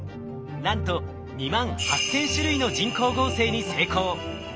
なんと２万８，０００種類の人工合成に成功。